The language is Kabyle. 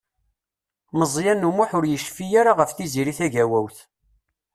Meẓyan U Muḥ ur yecfi ara ɣef Tiziri Tagawawt.